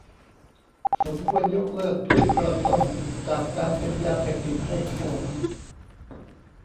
สมควรยกเลิกพืชกระท่อมจากการเป็นยาเสพติดให้โทษ